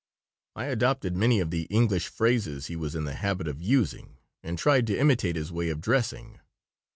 I adopted many of the English phrases he was in the habit of using and tried to imitate his way of dressing.